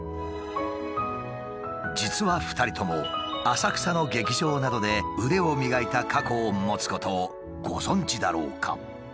実は２人とも浅草の劇場などで腕を磨いた過去を持つことをご存じだろうか？